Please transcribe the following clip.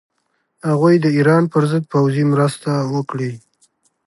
هغوی د ایران پر ضد پوځي مرسته وکړي.